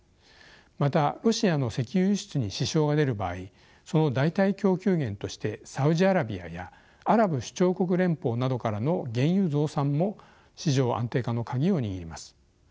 またロシアの石油輸出に支障が出る場合その代替供給源としてサウジアラビアやアラブ首長国連邦などからの原油増産も市場安定化の鍵を握ります。